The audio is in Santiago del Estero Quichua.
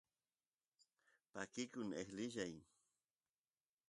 pakikun eqlilla